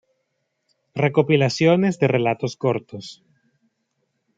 Recopilaciones de relatos cortos